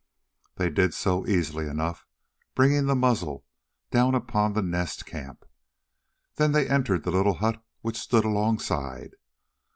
They did so easily enough, bringing the muzzle down upon the Nest camp; then they entered the little hut which stood alongside.